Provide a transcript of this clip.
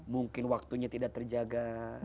mungkin waktunya tidak terjaga